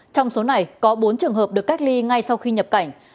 trong số này có bốn trường hợp được cách ly ngay sau khi nhập cảnh